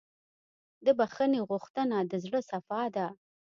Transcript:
د بښنې غوښتنه د زړه صفا ده.